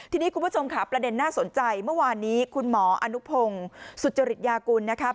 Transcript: ทีนี้คุณผู้ชมค่ะประเด็นน่าสนใจเมื่อวานนี้คุณหมออนุพงศ์สุจริยากุลนะครับ